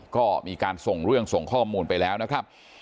ก็มีการส่งเรื่องส่งข้อมูลไปแล้วนะครับ